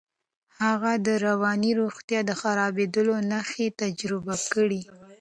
هغې د رواني روغتیا د خرابېدو نښې تجربه کړې.